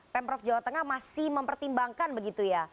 pemprov jawa tengah masih mempertimbangkan begitu ya